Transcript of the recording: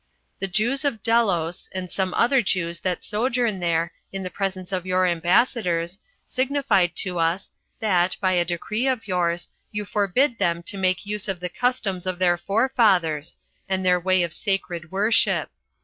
The Jews of Delos, and some other Jews that sojourn there, in the presence of your ambassadors, signified to us, that, by a decree of yours, you forbid them to make use of the customs of their forefathers, and their way of sacred worship.